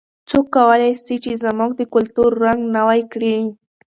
څوک کولای سي چې زموږ د کلتور رنګ نوی کړي؟